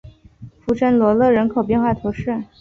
弗什罗勒人口变化图示